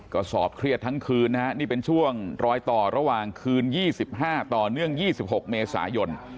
ก็สอบเครียดทั้งคืนนะฮะนี่เป็นช่วงรอยต่อระหว่างคืน๒๕ต่อเนื่อง๒๖เมษายน